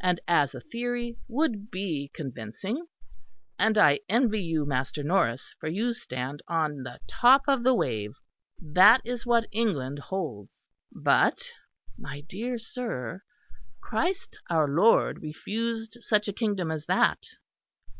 And as a theory would be convincing; and I envy you, Master Norris, for you stand on the top of the wave. That is what England holds. But, my dear sir, Christ our Lord refused such a kingdom as that.